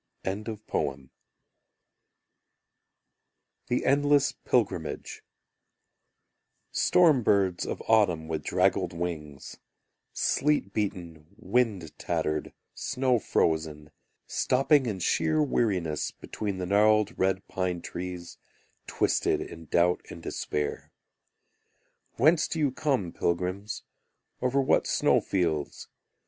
The Endless Pilgrimage Storm birds of autumn With draggled wings: Sleet beaten, wind tattered, snow frozen, Stopping in sheer weariness Between the gnarled red pine trees Twisted in doubt and despair; Whence do you come, pilgrims, Over what snow fields?